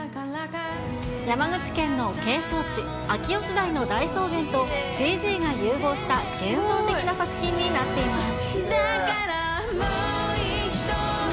山口県の景勝地、あきよしだいの大草原とＣＧが融合した幻想的な作品になっています。